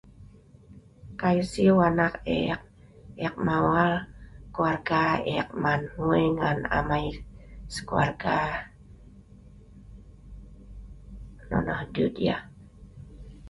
Kai siu anak ek, ek mawal kelualga ek man hngui ngan amai sekeluarga. Nonoh dut yah.